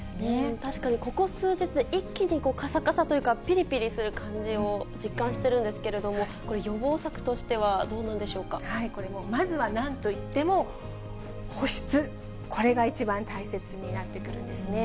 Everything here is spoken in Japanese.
確かにここ数日、一気にかさかさというか、ぴりぴりする感じを実感してるんですけれども、これ、予防策としこれもう、まずはなんといっても保湿、これが一番大切になってくるんですね。